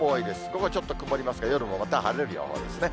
午後はちょっと曇りますが、夜もまた晴れる予報ですね。